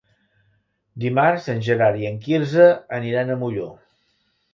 Dimarts en Gerard i en Quirze aniran a Molló.